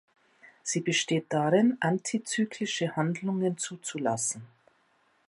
Sie besteht darin, antizyklische Handlungen zuzulassen.